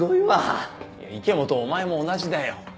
池本お前も同じだよ。